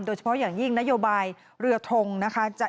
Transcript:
โดยเฉพาะอย่างยิ่งนโยบายเรือทงนะคะ